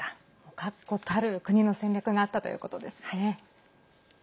確固たる国の戦略があったということですね。